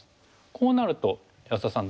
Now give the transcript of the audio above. こうなると安田さん